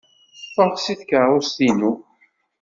Ffeɣ seg tkeṛṛust-inu!